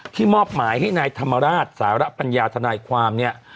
มอบหมายให้นายธรรมราชสารปัญญาทนายความเนี่ย